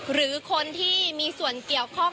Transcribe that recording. หรือคนที่มีส่วนเกี่ยวข้อง